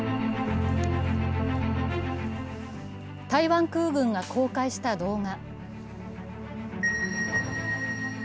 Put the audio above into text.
台湾空軍が公開した動画。